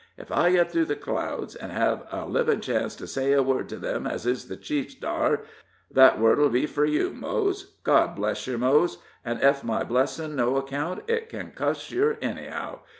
Ef I get through the clouds, an' hev a livin' chance to say a word to them as is the chiefs dar, thet word'll be fur you, Mose. God bless yer, Mose, an' ef my blessin's no account, it can't cuss yer, ennyhow.